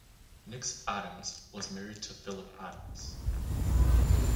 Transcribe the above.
Nix-Adams was married to Philip Adams.